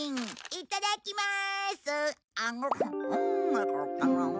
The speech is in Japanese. いただきまーす！